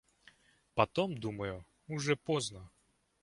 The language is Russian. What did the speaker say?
Потом, думаю, уже поздно.